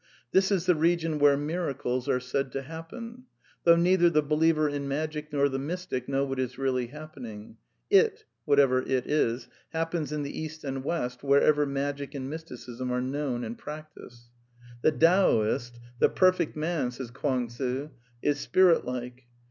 This is the region where " miracles '' are said to happen ; though neither the believer in magic nor the mystic know what is really happening. " It," whatever " it " is, happens in the East and West wherever magic and mysticism are known and practised. The Taoist, the " Perfect Man," says Kwang zze, " is spirit like.